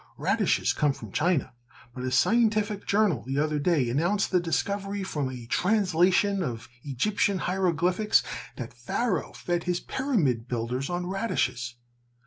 Radishes came from China, but a scientific journal the other day announced the discovery from a translation of Egyptian hieroglyphics that Pharaoh fed his pyramid builders on radishes.